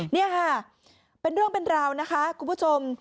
นี่ค่ะเป็นเรื่องเป็นราวนะคะคุณผู้ชม